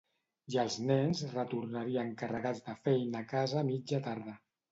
I els nens retornarien carregats de feina a casa a mitja tarda.